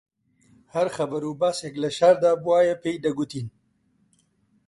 هەر خەبەر و باسێک لە شاردا بوایە پێی دەگوتین